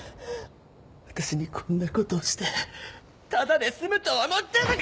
私にこんなことをしてただで済むと思ってるのか！